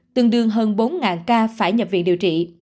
tương đương hơn bốn ca phải nhập viện điều trị